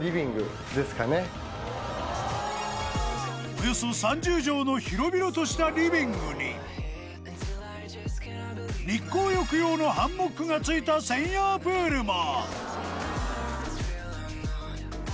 およそ３０畳の広々としたリビングに日光浴用のハンモックが付いた専用プールも！